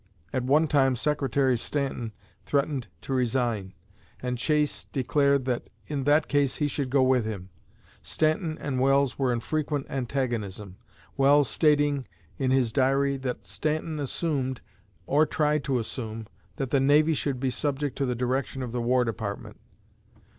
At one time Secretary Stanton threatened to resign; and Chase declared that in that case he should go with him. Stanton and Welles were in frequent antagonism, Welles stating in his Diary that Stanton assumed, or tried to assume, that the Navy should be subject to the direction of the War Department.